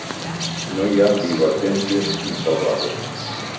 No hi ha divergències insalvables.